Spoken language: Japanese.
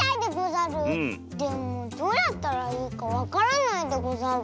でもどうやったらいいかわからないでござる。